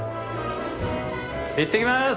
いってきます！